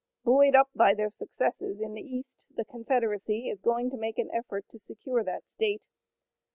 Buoyed up by their successes in the east the Confederacy is going to make an effort to secure that state.